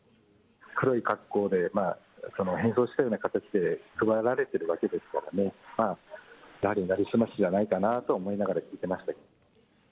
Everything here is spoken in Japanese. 黒い格好で、変装したような形で、配られてるわけですから、やはり成り済ましじゃないかなと思いながら聞いてましたけどね。